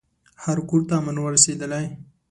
هر کورته امن ور رسېدلی